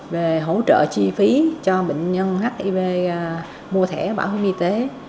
về hỗ trợ chi phí cho bệnh nhân hiv mua thẻ bảo hiểm y tế